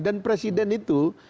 dan presiden itu